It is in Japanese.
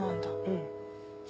うん。